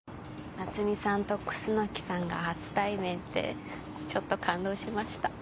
奈津美さんと楠木さんが初対面ってちょっと感動しました。